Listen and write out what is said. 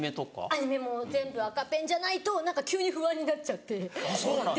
アニメも全部赤ペンじゃないと急に不安になっちゃってできない。